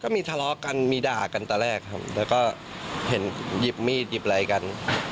มีทะเลาะกันมีด่ากันตอนแรกครับแล้วก็เห็นหยิบมีดหยิบอะไรกัน